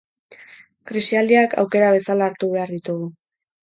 Krisialdiak aukera bezala hartu behar ditugu.